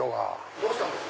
どうしたんです？